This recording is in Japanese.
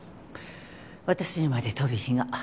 私にまで飛び火が。